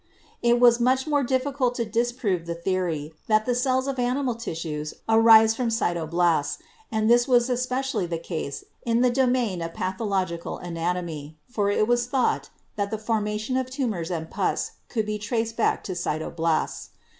It was much more difficult to disprove the theory, that the cells, of animal tissues arise from cytoblasts, and this was especially the case in the domain of pathological anat omy, for it was thought that the formation of tumors and pus could be traced back to cytoblasts.